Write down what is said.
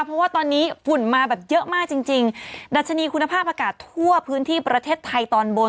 เพราะว่าตอนนี้ฝุ่นมาแบบเยอะมากจริงจริงดัชนีคุณภาพอากาศทั่วพื้นที่ประเทศไทยตอนบน